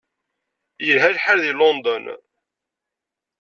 Yelha lḥal deg London.